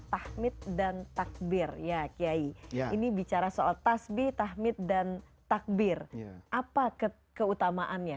tahmid dan takbir ya kiai ini bicara soal tasbih tahmid dan takbir apa keutamaannya